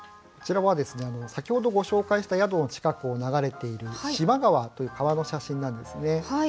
こちらは先ほどご紹介した宿の近くを流れている四万川という川の写真なんですね。